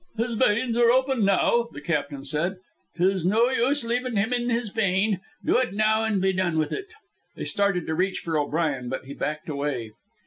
"His veins are open now," the captain said. "'Tis no use leavin' him in his pain. Do it now an' be done with it." They started to reach for O'Brien, but he backed away.